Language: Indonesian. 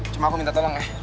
cuma aku minta tolong ya